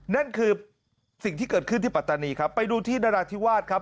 นั่นคือสิ่งที่เกิดขึ้นที่ปัตตานีครับไปดูที่นราธิวาสครับ